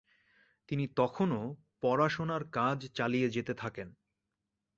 তিনি তখনও পড়াশোনার কাজ চালিয়ে যেতে থাকেন।